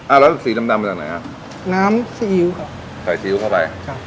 แล้วสีดำดำมาจากไหนฮะน้ำซีอิ๊วค่ะใส่ซีอิ๊วเข้าไปครับ